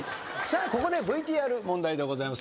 さあここでＶＴＲ問題でございます。